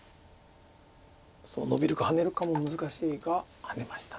ノビるかハネるかも難しいがハネました。